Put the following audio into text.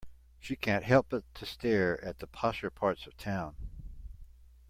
She can't help but to stare at the posher parts of town.